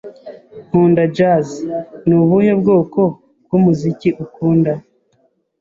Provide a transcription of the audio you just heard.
Nkunda jazz. Ni ubuhe bwoko bw'umuziki ukunda?